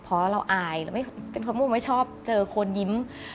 เพราะเราอายเป็นเพราะมูไม่ชอบเจอคนยิ้ม